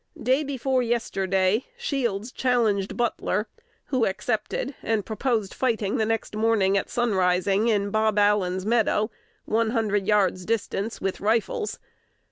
Day before yesterday Shields challenged Butler, who accepted, and proposed fighting next morning at sunrising in Bob Allen's meadow, one hundred yards' distance, with rifles.